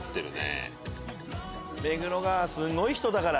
もう目黒川すごい人だから。